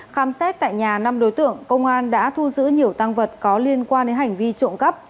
khám xét tại nhà năm đối tượng công an đã thu giữ nhiều tăng vật có liên quan đến hành vi trộm cắp